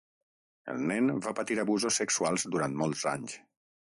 El nen va patir abusos sexuals durant molts anys.